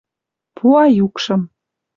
Пуа юкшым